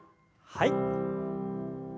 はい。